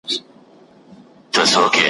پټ یې څنګ ته ورنیژدې سو غلی غلی ,